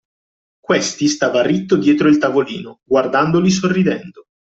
Questi stava ritto dietro il tavolino, guardandoli sorridendo.